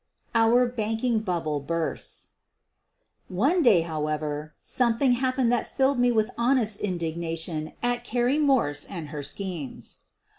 OUR BANKING BUBBLE BURSTS One day, however, something happened that filled me with honest indignation at Carrie Morse and her schemes.